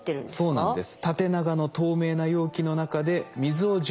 そうなんです。